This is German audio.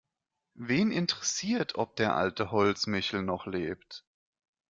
Wen interessiert, ob der alte Holzmichl noch lebt?